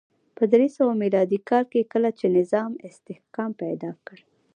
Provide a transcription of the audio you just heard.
په درې سوه میلادي کال کې کله چې نظام استحکام پیدا کړ